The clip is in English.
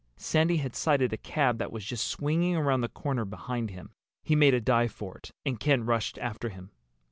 Sandy had sighted a cab that was just swinging around the corner behind him. He made a dive for it and Ken rushed after him.